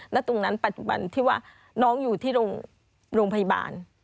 ตรงนั้นปัจจุบันที่ว่าน้องอยู่ที่โรงพยาบาล